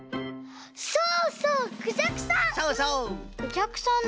そうそうクジャクさん！